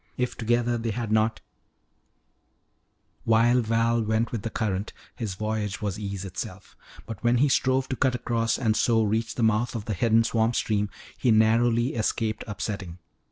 If together they had not While Val went with the current, his voyage was ease itself. But when he strove to cut across and so reach the mouth of the hidden swamp stream, he narrowly escaped upsetting.